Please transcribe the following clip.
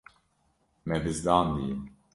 Me bizdandiye.